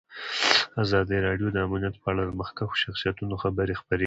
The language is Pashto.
ازادي راډیو د امنیت په اړه د مخکښو شخصیتونو خبرې خپرې کړي.